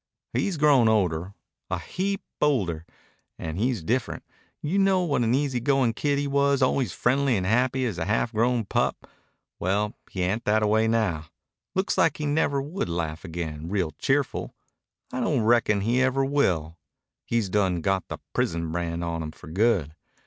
"He's grown older, a heap older. And he's different. You know what an easy goin' kid he was, always friendly and happy as a half grown pup. Well, he ain't thataway now. Looks like he never would laugh again real cheerful. I don't reckon he ever will. He's done got the prison brand on him for good.